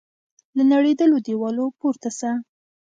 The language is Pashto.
له نړېدلو دیوالو پورته سه